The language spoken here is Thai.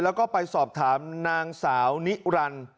แล้วก็ไปสอบถามนางสาวนิรันดิ์